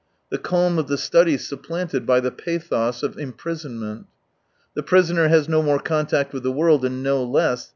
The calm of the study supplanted by the pathos of imprisonment. The prisoner has no more contact with the world, and no less.